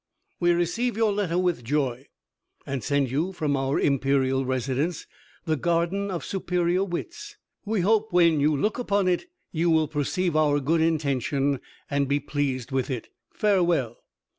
"We receive your letter with joy, and send you from our imperial residence, the garden of superior wits. We hope when you look upon it you will perceive our good intention, and be pleased with it. Farewell."